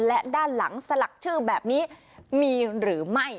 และด้านหลังสลักชื่อแบบนี้มีหรือไม่